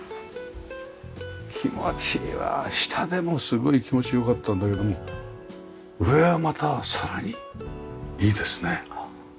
気持ちいいわ下でもすごい気持ち良かったんだけども上はまたさらにいいですね。